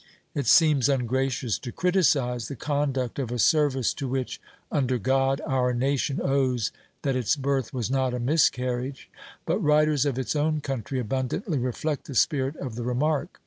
It seems ungracious to criticise the conduct of a service to which, under God, our nation owes that its birth was not a miscarriage; but writers of its own country abundantly reflect the spirit of the remark.